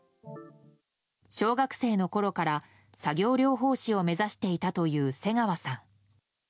小学生のころから作業療法士を目指していたという瀬川さん。